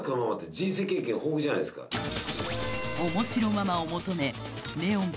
面白ママを求めネオンきらめく